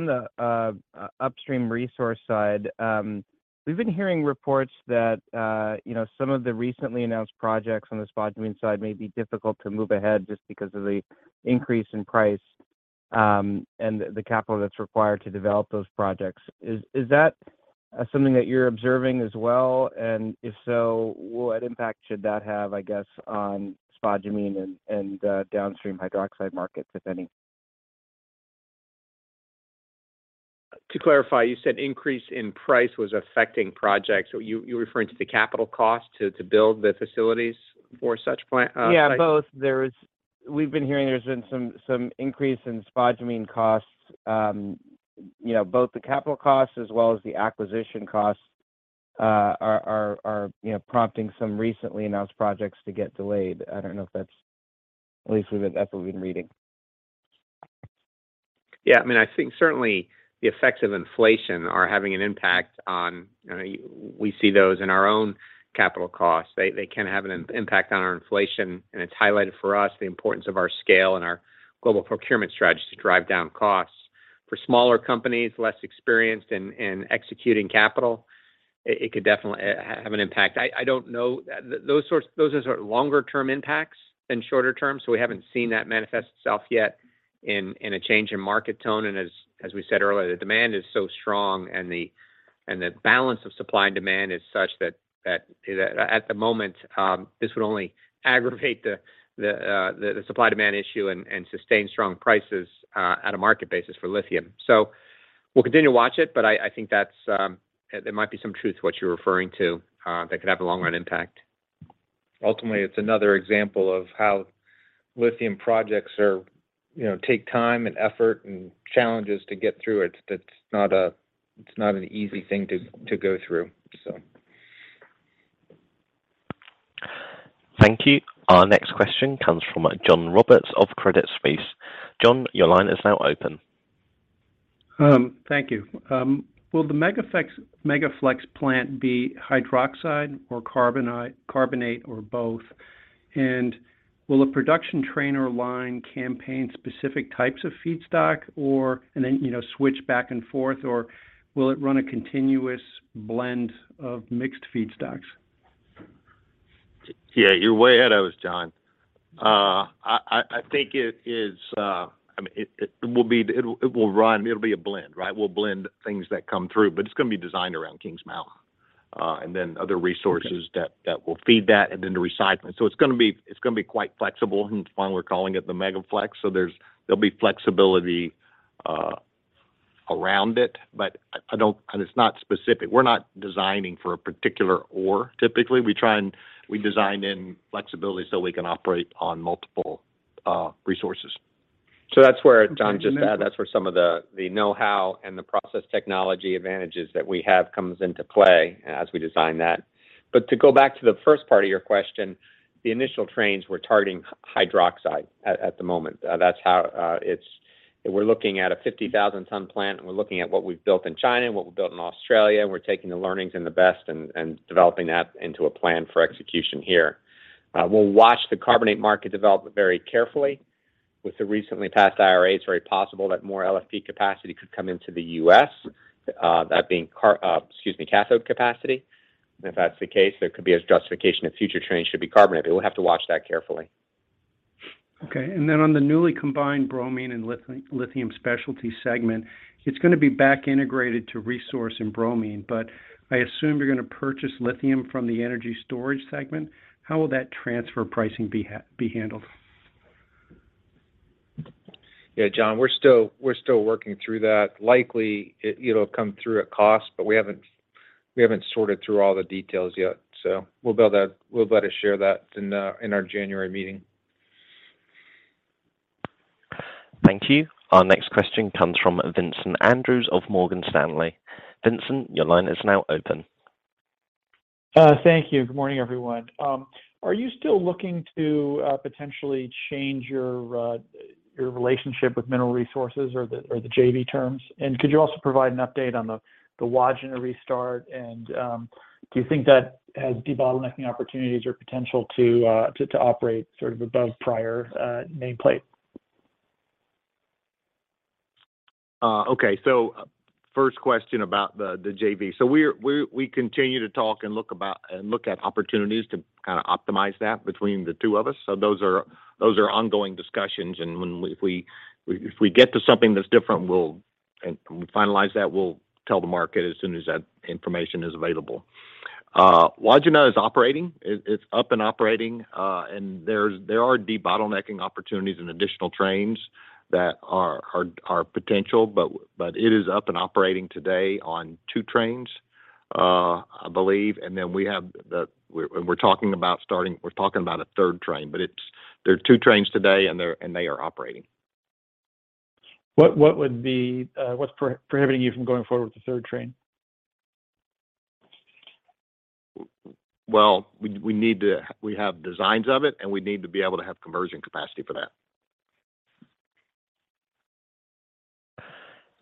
I: the upstream resource side, we've been hearing reports that you know, some of the recently announced projects on the spodumene side may be difficult to move ahead just because of the increase in price and the capital that's required to develop those projects. Is that something that you're observing as well? If so, what impact should that have, I guess, on spodumene and downstream hydroxide markets, if any?
H: To clarify, you said increase in price was affecting projects. Are you referring to the capital cost to build the facilities for such plan, price?
I: Yeah, both. We've been hearing there's been some increase in spodumene costs. You know, both the capital costs as well as the acquisition costs are, you know, prompting some recently announced projects to get delayed. I don't know if that's. At least that's what we've been reading.
H: Yeah. I mean, I think certainly the effects of inflation are having an impact on, you know. We see those in our own capital costs. They can have an impact on our inflation, and it's highlighted for us the importance of our scale and our global procurement strategy to drive down costs. For smaller companies, less experienced in executing capital, it could definitely have an impact. I don't know. Those are sort of longer term impacts than shorter term, so we haven't seen that manifest itself yet in a change in market tone. As we said earlier, the demand is so strong and the balance of supply and demand is such that at the moment, this would only aggravate the supply-demand issue and sustain strong prices at a market basis for lithium. We'll continue to watch it, but I think that there might be some truth to what you're referring to, that could have a long-run impact.
C: Ultimately, it's another example of how lithium projects are, you know, take time and effort and challenges to get through. It's not an easy thing to go through.
A: Thank you. Our next question comes from John Roberts of Credit Suisse. John, your line is now open.
J: Thank you. Will the Mega-Flex plant be hydroxide or carbonate or both? Will a production train or line campaign specific types of feedstock, and then you know switch back and forth, or will it run a continuous blend of mixed feedstocks?
C: Yeah, you're way ahead of us, John. I think it is. I mean, it will be a blend, right? We'll blend things that come through, but it's gonna be designed around Kings Mountain, and then other resources.
J: Okay.
C: that will feed that and then the recycling. It's gonna be quite flexible, and that's why we're calling it the Mega-Flex. There'll be flexibility around it. I don't—and it's not specific. We're not designing for a particular ore. Typically, we try and we design in flexibility so we can operate on multiple resources.
H: That's where, John, just to add, that's where some of the know-how and the process technology advantages that we have comes into play as we design that. To go back to the first part of your question, the initial trains, we're targeting hydroxide at the moment. We're looking at a 50,000-ton plant, and we're looking at what we've built in China and what we've built in Australia, and we're taking the learnings and the best and developing that into a plan for execution here. We'll watch the carbonate market develop very carefully. With the recently passed IRA, it's very possible that more LFP capacity could come into the U.S., that being cathode capacity. If that's the case, there could be a justification that future trains should be carbonate. We'll have to watch that carefully.
J: Okay. On the newly combined bromine and lithium specialty segment, it's gonna be back-integrated to resource and bromine. I assume you're gonna purchase lithium from the energy storage segment. How will that transfer pricing be handled?
C: Yeah, John, we're still working through that. Likely, it'll come through at cost, but we haven't sorted through all the details yet. We'll be able to share that in our January meeting.
A: Thank you. Our next question comes from Vincent Andrews of Morgan Stanley. Vincent, your line is now open.
K: Thank you. Good morning, everyone. Are you still looking to potentially change your relationship with Mineral Resources or the JV terms? Do you think that has debottlenecking opportunities or potential to operate sort of above prior nameplate?
C: Okay. First question about the JV. We continue to talk and look at opportunities to kind of optimize that between the two of us. Those are ongoing discussions. If we get to something that's different, and we finalize that, we'll tell the market as soon as that information is available. Wodgina is operating. It's up and operating, and there are de-bottlenecking opportunities and additional trains that are potential, but it is up and operating today on two trains, I believe. We're talking about a third train, but there are two trains today, and they are operating.
K: What's preventing you from going forward with the third train?
C: Well, we have designs of it, and we need to be able to have conversion capacity for that.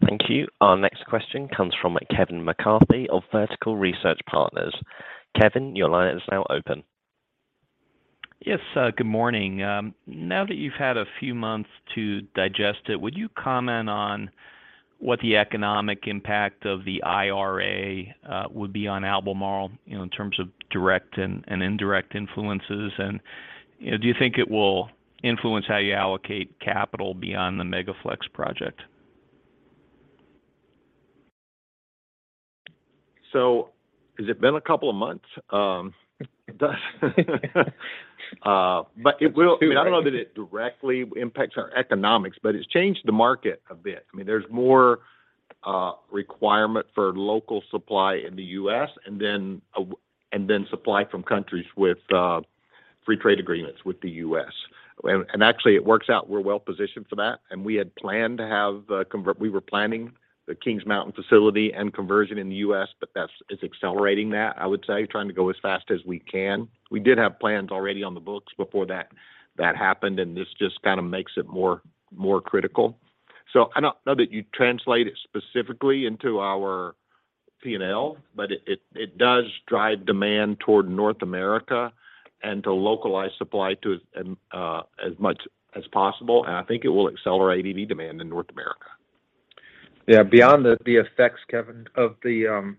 A: Thank you. Our next question comes from Kevin McCarthy of Vertical Research Partners. Kevin, your line is now open.
L: Yes. Good morning. Now that you've had a few months to digest it, would you comment on what the economic impact of the IRA would be on Albemarle, you know, in terms of direct and indirect influences? You know, do you think it will influence how you allocate capital beyond the Mega-Flex project?
C: Has it been a couple of months? It does. It will. I mean, I don't know that it directly impacts our economics, but it's changed the market a bit. I mean, there's more requirement for local supply in the U.S. and then supply from countries with free trade agreements with the U.S. Actually it works out, we're well positioned for that. We had planned to have. We were planning the Kings Mountain facility and conversion in the U.S., but it's accelerating that, I would say, trying to go as fast as we can. We did have plans already on the books before that happened, and this just kind of makes it more critical. I don't know that you translate it specifically into our P&L, but it does drive demand toward North America and to localize supply as much as possible, and I think it will accelerate EV demand in North America.
D: Yeah. Beyond the effects, Kevin, of the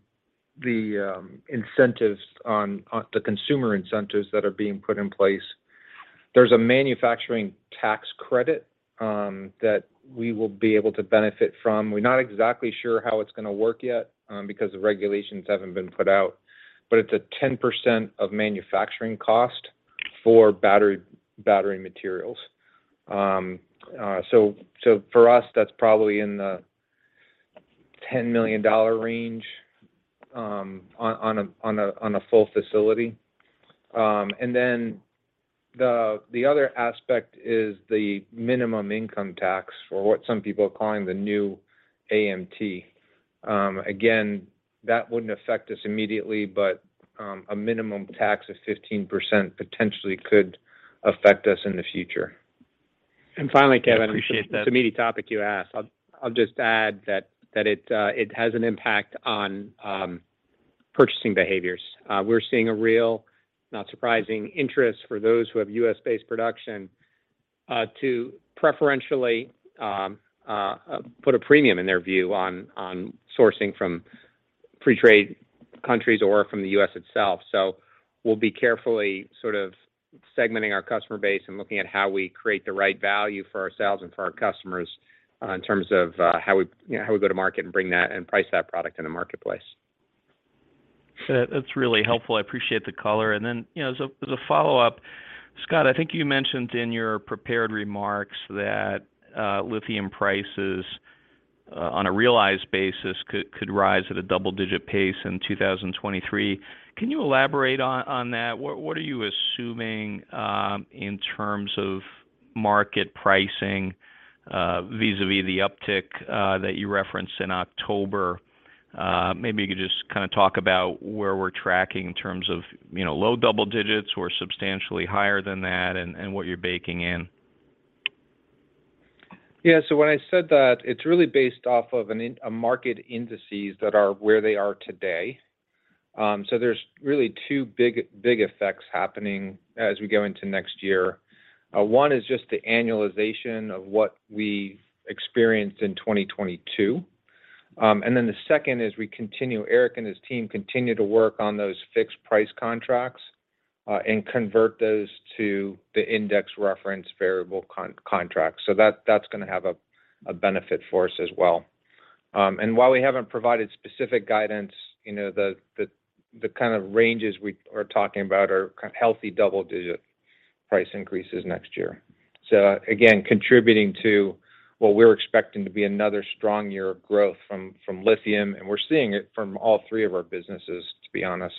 D: incentives on the consumer incentives that are being put in place, there's a manufacturing tax credit that we will be able to benefit from. We're not exactly sure how it's gonna work yet, because the regulations haven't been put out, but it's a 10% of manufacturing cost for battery materials. For us, that's probably in the $10 million range on a full facility. The other aspect is the minimum income tax or what some people are calling the new AMT. Again, that wouldn't affect us immediately, but a minimum tax of 15% potentially could affect us in the future.
H: Finally, Kevin McCarthy.
L: I appreciate that.
H: It's a meaty topic you asked. I'll just add that it has an impact on purchasing behaviors. We're seeing a real, not surprising interest for those who have U.S.-based production to preferentially put a premium in their view on sourcing from free trade countries or from the U.S. itself. We'll be carefully sort of segmenting our customer base and looking at how we create the right value for ourselves and for our customers in terms of how we you know go to market and bring that and price that product in the marketplace.
L: That's really helpful. I appreciate the color. You know, as a follow-up, Scott, I think you mentioned in your prepared remarks that lithium prices on a realized basis could rise at a double-digit pace in 2023. Can you elaborate on that? What are you assuming in terms of market pricing vis-a-vis the uptick that you referenced in October? Maybe you could just kind of talk about where we're tracking in terms of, you know, low double digits or substantially higher than that and what you're baking in.
D: Yeah. When I said that, it's really based off of a market indices that are where they are today. There's really two big effects happening as we go into next year. One is just the annualization of what we experienced in 2022. The second is Eric and his team continue to work on those fixed price contracts, and convert those to the index-referenced variable contracts. That, that's gonna have a benefit for us as well. While we haven't provided specific guidance, you know, the kind of ranges we are talking about are kind of healthy double-digit price increases next year. Again, contributing to what we're expecting to be another strong year of growth from lithium, and we're seeing it from all three of our businesses, to be honest,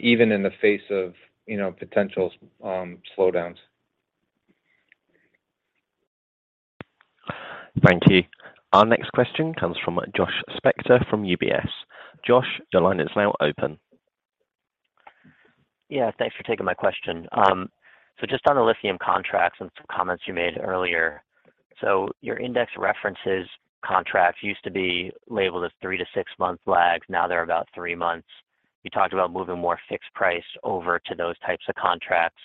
D: even in the face of, you know, potential slowdowns.
A: Thank you. Our next question comes from Joshua Spector from UBS. Josh, your line is now open.
M: Yeah, thanks for taking my question. Just on the lithium contracts and some comments you made earlier. Your index references contracts used to be labeled as three to six-month lags, now they're about three months. You talked about moving more fixed price over to those types of contracts.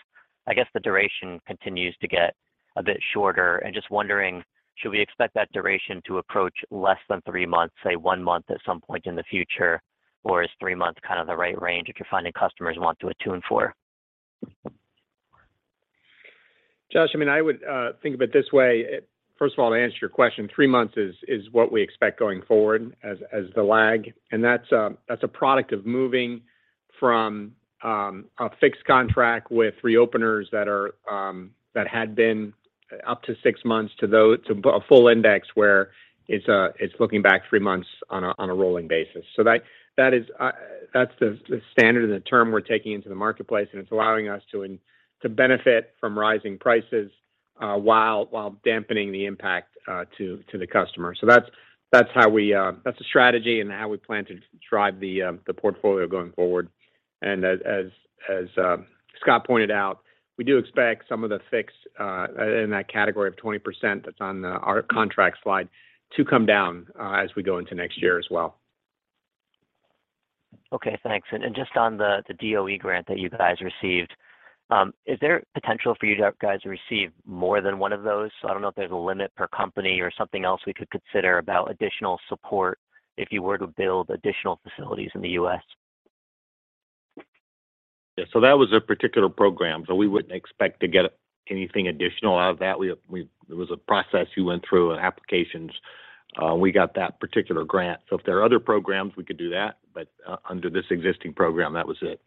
M: I guess the duration continues to get a bit shorter and just wondering, should we expect that duration to approach less than three months, say one month at some point in the future? Or is three months kind of the right range that you're finding customers want to aim for?
H: Josh, I mean, I would think of it this way. First of all, to answer your question, three months is what we expect going forward as the lag. That's a product of moving from a fixed contract with reopeners that had been up to six months to a full index where it's looking back three months on a rolling basis. That is the standard and the term we're taking into the marketplace, and it's allowing us to benefit from rising prices while dampening the impact to the customer. That's how we, that's the strategy and how we plan to drive the portfolio going forward. As Scott pointed out, we do expect some of the fixed in that category of 20% that's on our contract slide to come down as we go into next year as well.
M: Okay, thanks. Just on the DOE grant that you guys received, is there potential for you guys to receive more than one of those? I don't know if there's a limit per company or something else we could consider about additional support if you were to build additional facilities in the U.S.
C: Yeah. That was a particular program, so we wouldn't expect to get anything additional out of that. There was a process we went through and applications. We got that particular grant. If there are other programs, we could do that. Under this existing program, that was it.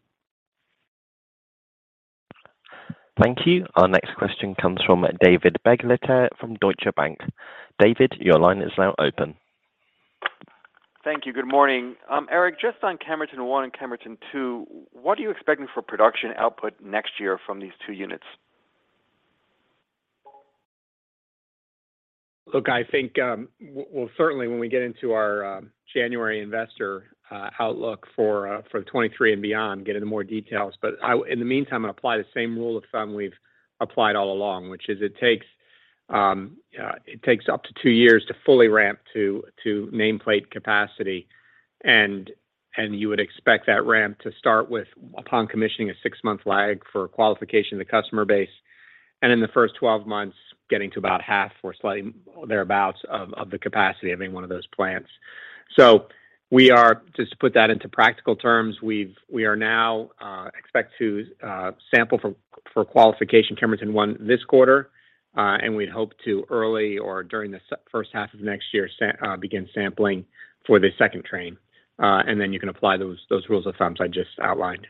A: Thank you. Our next question comes from David Begleiter from Deutsche Bank. David, your line is now open.
N: Thank you. Good morning. Eric, just on Kemerton 1 and Kemerton 2, what are you expecting for production output next year from these two units?
H: Look, I think, well, certainly when we get into our January investor outlook for 2023 and beyond, get into more details. In the meantime, I apply the same rule of thumb we've applied all along, which is it takes up to two years to fully ramp to nameplate capacity. You would expect that ramp to start with upon commissioning a six-month lag for qualification of the customer base. In the first 12 months, getting to about half or slightly thereabout of the capacity of any one of those plants. Just to put that into practical terms, we are now expected to sample for qualification Kemerton 1 this quarter, and we'd hope to early or during the first half of next year begin sampling for the second train. Then you can apply those rules of thumb I just outlined.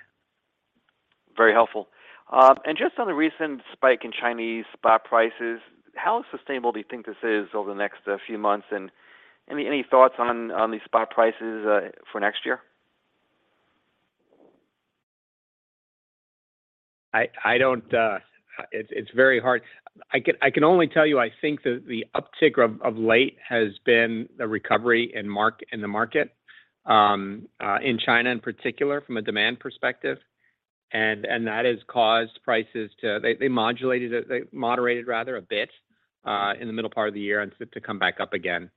N: Very helpful. Just on the recent spike in Chinese spot prices, how sustainable do you think this is over the next few months? Any thoughts on these spot prices for next year?
H: It's very hard. I can only tell you I think that the uptick of late has been a recovery in the market in China in particular from a demand perspective. That has caused prices to moderate rather a bit in the middle part of the year and to come back up again.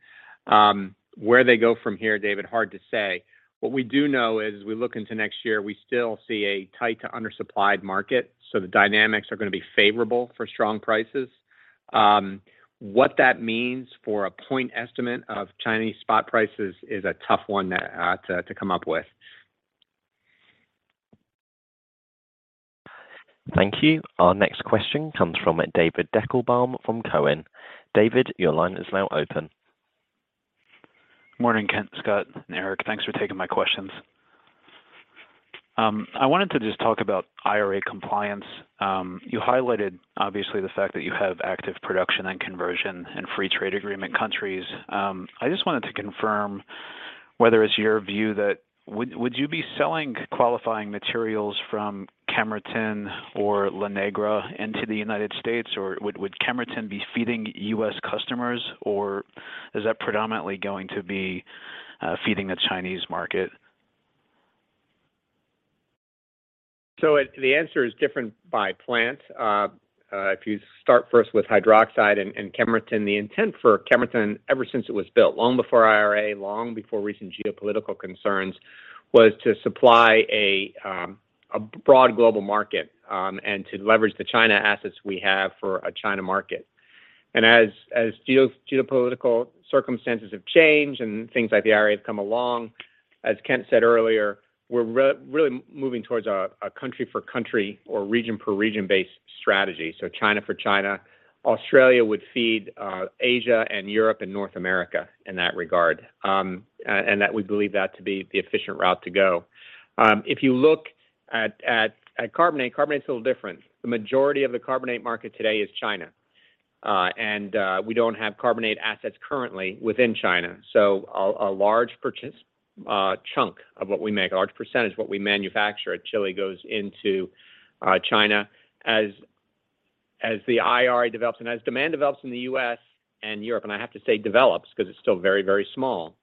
H: Where they go from here, David, hard to say. What we do know is we look into next year, we still see a tight to undersupplied market, so the dynamics are gonna be favorable for strong prices. What that means for a point estimate of Chinese spot prices is a tough one to come up with.
A: Thank you. Our next question comes from David Deckelbaum from TD Cowen. David, your line is now open.
O: Morning, Kent, Scott, and Eric. Thanks for taking my questions. I wanted to just talk about IRA compliance. You highlighted obviously the fact that you have active production and conversion in Free Trade Agreement countries. I just wanted to confirm whether it's your view that would you be selling qualifying materials from Kemerton or La Negra into the United States, or would Kemerton be feeding U.S. customers, or is that predominantly going to be feeding the Chinese market?
H: The answer is different by plant. If you start first with hydroxide and Kemerton, the intent for Kemerton ever since it was built, long before IRA, long before recent geopolitical concerns, was to supply a broad global market, and to leverage the China assets we have for a China market. As geopolitical circumstances have changed and things like the IRA have come along, as Kent said earlier, we're really moving towards a country for country or region for region-based strategy. China for China. Australia would feed Asia and Europe and North America in that regard. And that we believe that to be the efficient route to go. If you look at carbonate's a little different. The majority of the carbonate market today is China, we don't have carbonate assets currently within China. A large chunk of what we make, a large percentage of what we manufacture at Chile goes into China. As the IRA develops and as demand develops in the U.S. and Europe, and I have to say develops because it's still very, very small,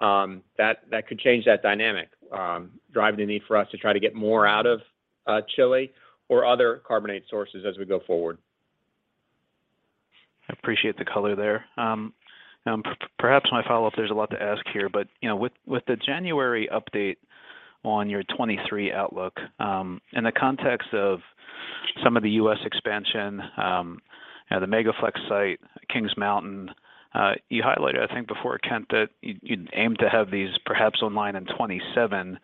H: that could change that dynamic, drive the need for us to try to get more out of Chile or other carbonate sources as we go forward.
O: I appreciate the color there. Perhaps my follow-up, there's a lot to ask here, but, you know, with the January update on your 2023 outlook, in the context of some of the U.S. expansion, and the Mega-Flex site, Kings Mountain, you highlighted, I think before, Kent, that you aim to have these perhaps online in 2027.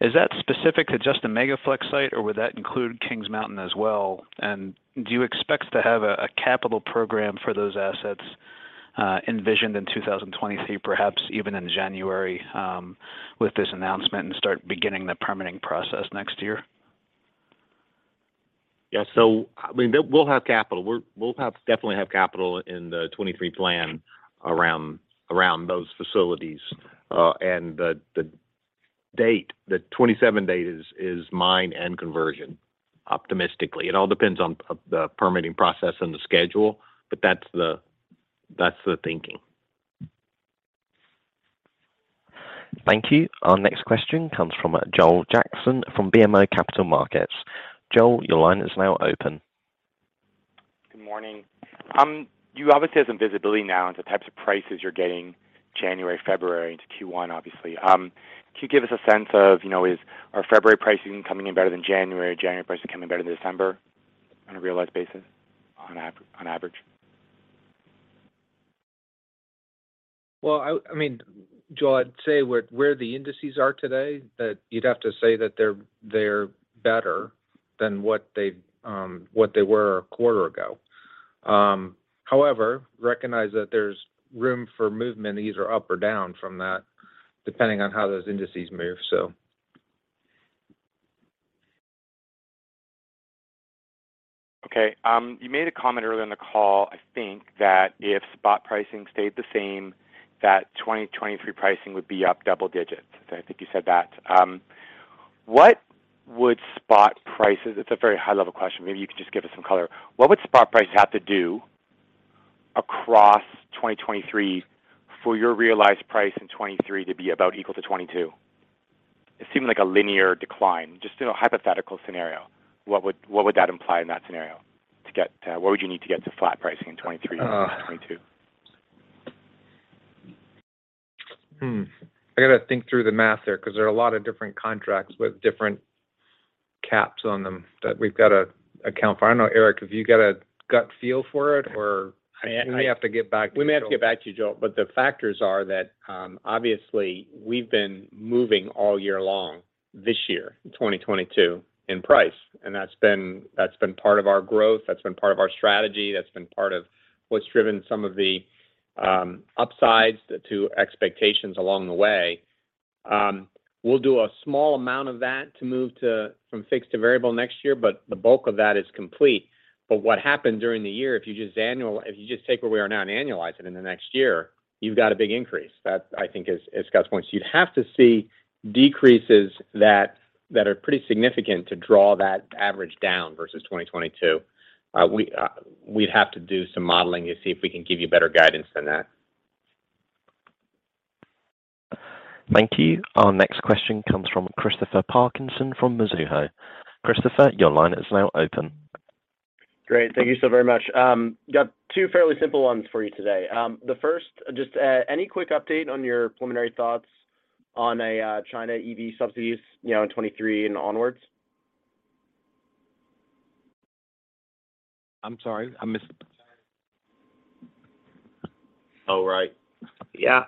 O: Is that specific to just the Mega-Flex site, or would that include Kings Mountain as well? Do you expect to have a capital program for those assets, envisioned in 2023, perhaps even in January, with this announcement and start beginning the permitting process next year?
C: I mean, they'll have capital. We'll definitely have capital in the 2023 plan around those facilities. The 2027 date is mining and conversion optimistically. It all depends on the permitting process and the schedule, but that's the thinking.
A: Thank you. Our next question comes from Joel Jackson from BMO Capital Markets. Joel, your line is now open.
P: Good morning. You obviously have some visibility now into types of prices you're getting January, February into Q1, obviously. Can you give us a sense of, you know, is our February pricing coming in better than January pricing coming better than December on a realized basis on average?
C: Well, I mean, Joel, I'd say where the indices are today, that you'd have to say that they're better than what they were a quarter ago. However, recognize that there's room for movement either up or down from that depending on how those indices move.
P: Okay. You made a comment earlier in the call, I think, that if spot pricing stayed the same, that 2022 pricing would be up double digits. I think you said that. It's a very high level question. Maybe you could just give us some color. What would spot prices have to do across 2023 for your realized price in 2023 to be about equal to 2022? It seemed like a linear decline. Just in a hypothetical scenario, what would that imply in that scenario? What would you need to get to flat pricing in 2023 compared to 2022?
C: I gotta think through the math there 'cause there are a lot of different contracts with different caps on them that we've got to account for. I don't know, Eric, if you got a gut feel for it or-
H: I-
C: We may have to get back to you, Joel.
H: We may have to get back to you, Joel. The factors are that, obviously we've been moving all year long this year, in 2022, in price, and that's been part of our growth, that's been part of our strategy, that's been part of what's driven some of the upsides to expectations along the way. We'll do a small amount of that to move from fixed to variable next year, but the bulk of that is complete. What happened during the year, if you just take where we are now and annualize it in the next year, you've got a big increase. That, I think, is Scott's point. You'd have to see decreases that are pretty significant to draw that average down versus 2022. We'd have to do some modeling to see if we can give you better guidance than that.
A: Thank you. Our next question comes from Christopher Parkinson from Mizuho. Christopher, your line is now open.
Q: Great. Thank you so very much. Got two fairly simple ones for you today. The first, just any quick update on your preliminary thoughts on China EV subsidies, you know, in 2023 and onwards?
C: I'm sorry, I missed.
Q: Oh, right.
C: Yeah.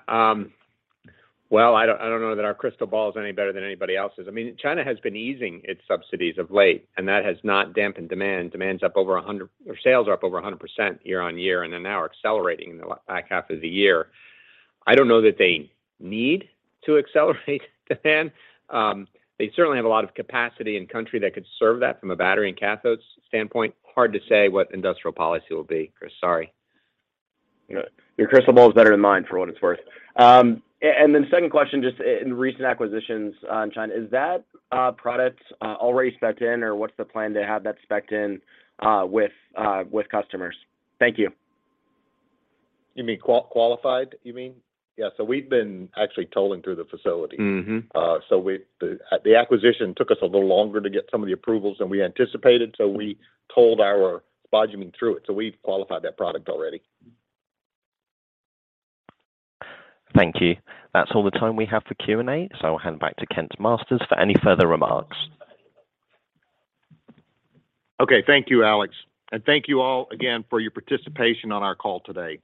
C: Well, I don't know that our crystal ball is any better than anybody else's. I mean, China has been easing its subsidies of late, and that has not dampened demand. Demand's up over 100% year-over-year, or sales are up over 100% year-over-year, and they're now accelerating in the back half of the year. I don't know that they need to accelerate demand. They certainly have a lot of capacity in country that could serve that from a battery and cathodes standpoint. Hard to say what industrial policy will be, Chris. Sorry.
Q: Your crystal ball is better than mine for what it's worth. Second question, just in recent acquisitions in China, is that product already spec'd in, or what's the plan to have that spec'd in with customers? Thank you.
C: You mean qualified, you mean? Yeah. We've been actually tolling through the facility. The acquisition took us a little longer to get some of the approvals than we anticipated, so we tolled our spodumene through it, so we've qualified that product already.
A: Thank you. That's all the time we have for Q&A, so I'll hand back to Kent Masters for any further remarks.
C: Okay. Thank you, Alex. Thank you all again for your participation on our call today.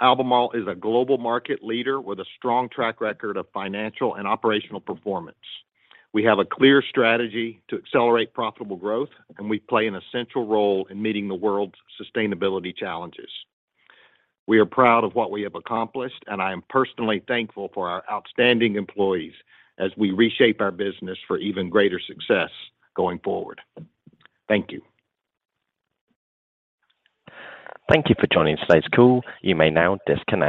C: Albemarle is a global market leader with a strong track record of financial and operational performance. We have a clear strategy to accelerate profitable growth, and we play an essential role in meeting the world's sustainability challenges. We are proud of what we have accomplished, and I am personally thankful for our outstanding employees as we reshape our business for even greater success going forward. Thank you.
A: Thank you for joining today's call. You may now disconnect.